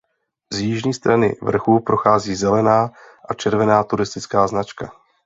Z jižní strany vrchu prochází zelená a červená turistická značka.